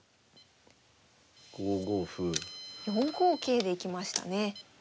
４五桂で行きましたね。